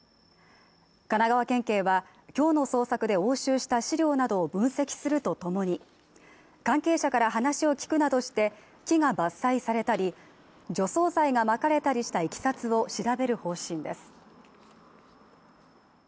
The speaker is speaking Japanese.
神奈川県警は今日の捜索で押収した資料などを分析するとともに、関係者から話を聞くなどして、木が伐採されたり除草剤がまかれたりしたいきさつを調べる方針です。